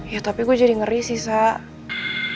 ya tapi gue jadi ngeri sih sal